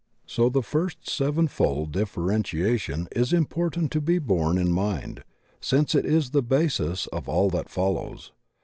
So the first sevenfold differentiation is important to be borne in mind, since it is the basis of all that follows.